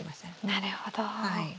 なるほど。